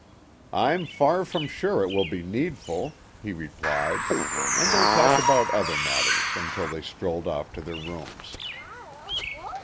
"I'm far from sure it will be needful," he replied, and they talked about other matters until they strolled off to their rooms.